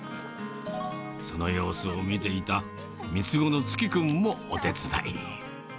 その様子を見ていた三つ子のつき君もお手伝い。